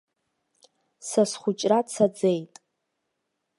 Са схәыҷра цаӡеит.